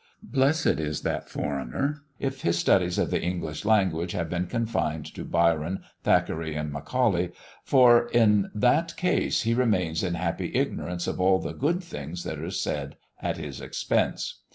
Blessed is that foreigner, if his studies of the English language have been confined to Byron, Thackeray, and Macaulay, for in that case he remains in happy ignorance of all the "good things" that are said at his expense.